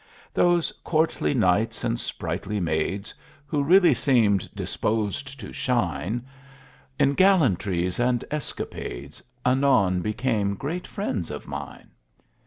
Those courtly knights and sprightly maids, Who really seemed disposed to shine In gallantries and escapades, Anon became great friends of mine.